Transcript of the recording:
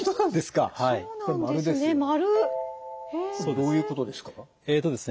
どういうことですか？